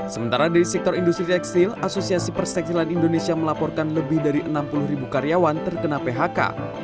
sementara dari sektor industri tekstil asosiasi perseksilan indonesia melaporkan lebih dari enam puluh ribu karyawan terkena phk